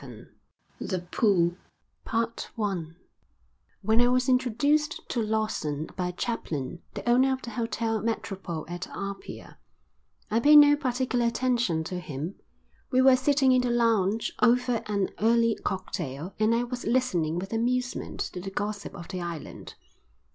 V The Pool When I was introduced to Lawson by Chaplin, the owner of the Hotel Metropole at Apia, I paid no particular attention to him. We were sitting in the lounge over an early cocktail and I was listening with amusement to the gossip of the island.